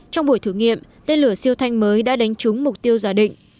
trong buổi thử nghiệm tên lửa siêu thanh mới đã đánh trúng mục tiêu giả định